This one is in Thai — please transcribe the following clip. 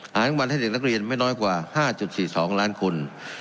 รางวัลให้เด็กนักเรียนไม่น้อยกว่า๕๔๒ล้านคน